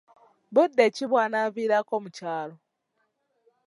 Budde ki bw'anaaviirako mu kyalo?